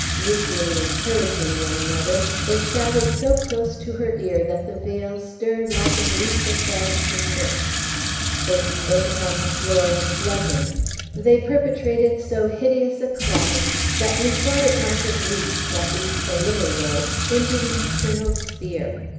Mutually encouraging one another, they shouted so close to her ear that the veil stirred like a wreath of vanishing mist; they smote upon the floor with bludgeons; they perpetrated so hideous a clamor, that methought it might have reached, at least, a little way into the eternal sphere.